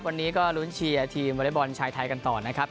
วันนี้ก็ลุ้นเชียร์ทีมวอเล็กบอลชายไทยกันต่อนะครับ